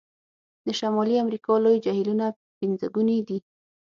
د شمالي امریکا لوی جهیلونه پنځګوني دي.